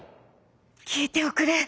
「きいておくれ！